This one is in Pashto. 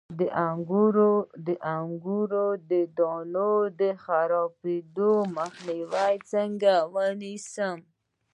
د انګورو د دانې د خرابیدو مخه څنګه ونیسم؟